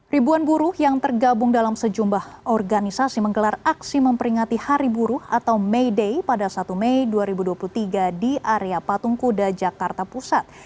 ribuan buruh yang tergabung dalam sejumlah organisasi menggelar aksi memperingati hari buruh atau may day pada satu mei dua ribu dua puluh tiga di area patung kuda jakarta pusat